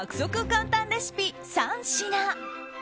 簡単レシピ３品。